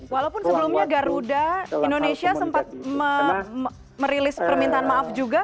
walaupun sebelumnya garuda indonesia sempat merilis permintaan maaf juga